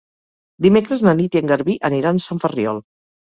Dimecres na Nit i en Garbí aniran a Sant Ferriol.